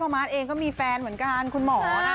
เพราะมัสเองก็มีแฟนเหมือนกันคุณหมอ